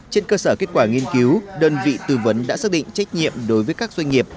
trên cơ sở kết quả nghiên cứu đơn vị tư vấn đã xác định trách nhiệm đối với các doanh nghiệp